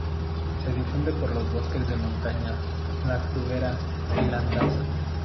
Se difunde por los bosques de montaña, las turberas y landas.